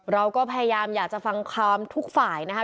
เราก็พยายามอยากจะฟังความทุกฝ่ายนะคะ